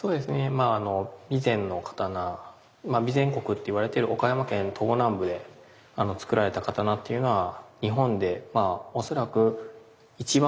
まああの備前の刀まあ備前国っていわれてる岡山県東南部で作られた刀っていうのは日本でまあ恐らく一番